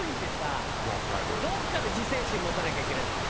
どっかで自制心持たなきゃいけないじゃない。